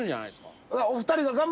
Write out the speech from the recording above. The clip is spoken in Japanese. お二人が。